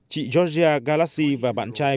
chị georgia galassi và bạn trai